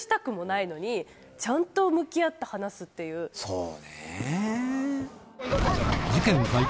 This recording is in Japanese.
そうねぇ。